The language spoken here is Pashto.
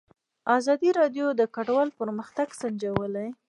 ازادي راډیو د کډوال پرمختګ سنجولی.